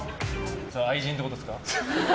それ、愛人ってことですか？